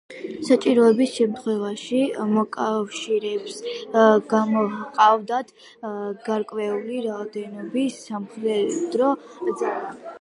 საჭიროების შემთხვევაში მოკავშირეებს გამოჰყავდათ გარკვეული რაოდენობის სამხედრო ძალა.